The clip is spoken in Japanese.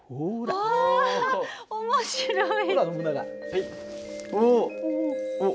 あっ面白い。